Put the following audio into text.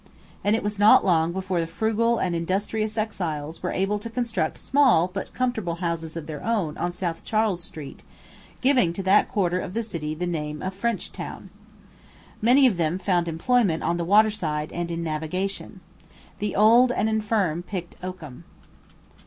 And it was not long before the frugal and industrious exiles were able to construct small but comfortable houses of their own on South Charles Street, giving to that quarter of the city the name of French Town. Many of them found employment on the waterside and in navigation. The old and infirm picked oakum.